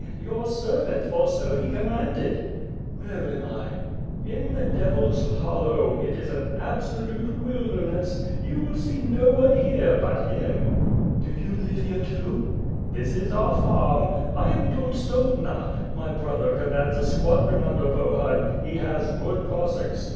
Your servant, for so he commanded." 'T^ere am I?" "In the Devil's Hollow. It is an absolute wilderness. Yoij will see no one here but him." WITH FIRE AND SWORD. 443 'TDo you live here too?'^ "This is our farm. I am Dontsovna; my brother com mands a squadron under Bohun; he has good Cossacks.